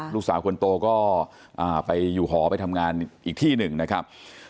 ลูกสาวคนโตก็ไปอยู่หอไปทำงานอีกที่หนึ่งนะครับ